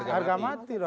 harga mati dong